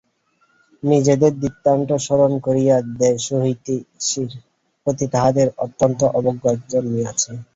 নিজেদের দৃষ্টান্ত স্মরণ করিয়া দেশহিতৈষীর প্রতি তাঁহাদের অত্যন্ত অবজ্ঞা জন্মিয়াছে।